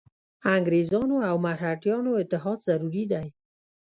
انګرېزانو او مرهټیانو اتحاد ضروري دی.